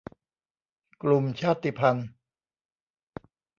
กลุ่มชาติพันธุ์